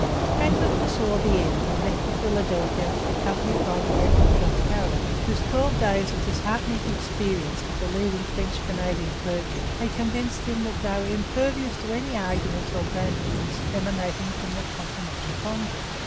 Franklin foresaw the end and left for Philadelphia accompanied by the Reverend John Carroll, whose twelve days of disheartening experience with the leading French Canadian clergy had convinced him that they were impervious to any arguments or blandishments emanating from the Continental Congress.